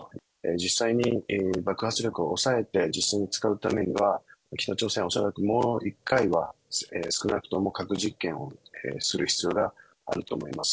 実際に爆発力を抑えて、実際に使うためには、北朝鮮は恐らくもう１回は、少なくとも核実験をする必要があると思います。